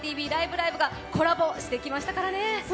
ライブ！」がコラボしてきましたからね。